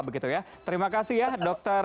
begitu ya terima kasih ya dokter